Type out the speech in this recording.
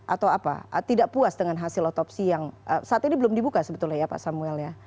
atau apa tidak puas dengan hasil otopsi yang saat ini belum dibuka sebetulnya ya pak samuel ya